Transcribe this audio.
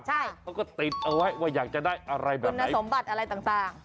เขาก็ติดเอาไว้ว่าอยากจะได้อะไรแบบคุณสมบัติอะไรต่าง